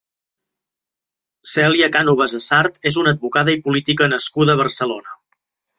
Celia Cánovas Essard és una advocada i política nascuda a Barcelona.